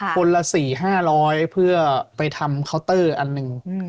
คนละ๔๕๐๐เพื่อไปทำเคาน์เตอร์อันหนึ่ง